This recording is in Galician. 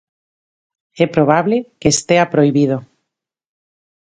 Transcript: E probable que estea prohibido.